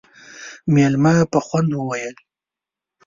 مېلمه په خوند وويل: